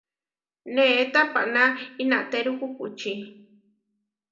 Née tapaná inatéru kukuči.